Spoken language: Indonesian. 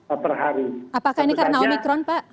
apakah ini karena omikron pak